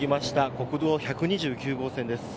国道１２９号線です。